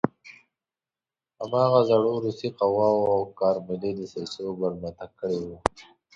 هماغو زړو روسي قواوو او کارملي دسیسو برمته کړی وي.